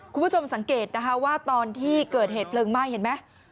คุณผู้ชมสังเกตนะคะว่าตอนที่เกิดเหตุเพลิงไหม้เห็นไหม